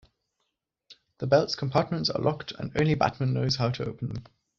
The belt's compartments are locked and only Batman knows how to open them.